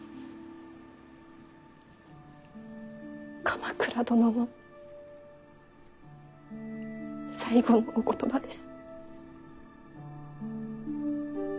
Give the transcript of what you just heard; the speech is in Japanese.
鎌倉殿の最後のお言葉です。